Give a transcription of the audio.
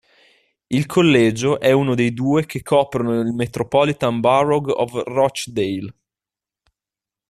Il collegio è uno dei due che coprono il Metropolitan Borough of Rochdale.